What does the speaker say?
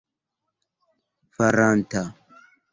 faranta